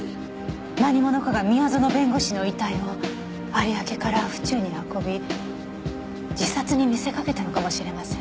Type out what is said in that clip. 何者かが宮園弁護士の遺体を有明から府中に運び自殺に見せかけたのかもしれません。